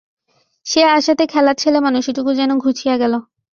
সে আসাতে খেলার ছেলেমানুষিটুকু যেন ঘুচিয়া গেল।